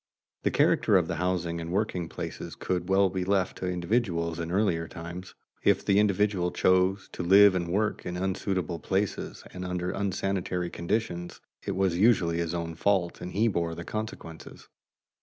The character of the housing and working places could well be left to individuals in early times. If the individual chose to live and work in unsuitable places and under unsanitary conditions, it was usually his own fault and he bore the consequences.